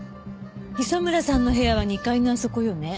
磯村さんの部屋は２階のあそこよね。